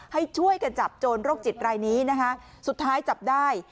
ให้ช่วยกันจับโจรโรคจิตรายนี้นะคะสุดท้ายจับได้